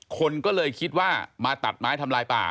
คนก็เลยคิดว่ามาตัดไม้ทำลายป่า